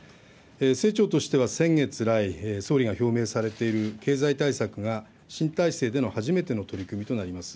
政調としては先月来、総理が表明されている経済対策が新体制での初めての取り組みとなります。